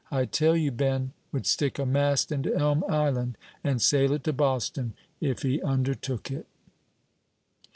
I tell you, Ben would stick a mast into Elm Island, and sail it to Boston, if he undertook it."